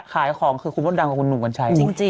ค่ายของคือคุณว่าดำกับคุณหนูเงินใช้